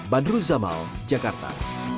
bandru zamal jakarta